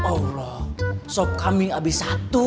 alah sob kambing abis satu